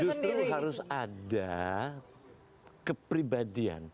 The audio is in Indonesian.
justru harus ada kepribadian